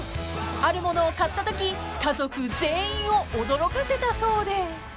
［あるものを買ったとき家族全員を驚かせたそうで］